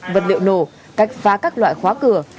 vật liệu nổ cách phá các loại khóa cửa